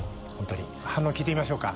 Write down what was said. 反応聞いてみましょうか。